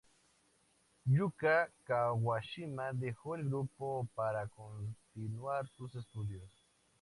Yuka Kawashima dejó el grupo para continuar sus estudios.